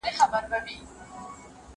سیاستپوهنه یوه مهمه رشته ده.